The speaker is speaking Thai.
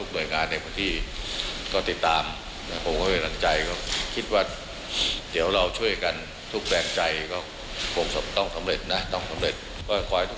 ก็ขอให้ทุกคนช่วยกันเป็นกำลังใจ